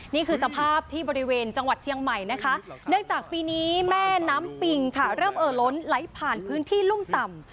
นี่คือสภาพที่บริเวณจังหวัดเชียงใหม่นะคะเนื่องจากปีนี้แม่น้ำปิงค่ะเริ่มเอ่อล้นไหลผ่านพื้นที่รุ่มต่ำ